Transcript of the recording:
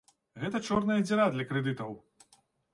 Гэта чорная дзіра для крэдытаў.